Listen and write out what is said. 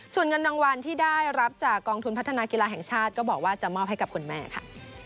ส่วนเงินรางวัลที่ได้รับจากกองทุนพัฒนากีฬาแห่งชาติก็บอกว่าจะมอบให้กับคุณแม่ค่ะ